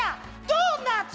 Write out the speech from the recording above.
ドーナツ！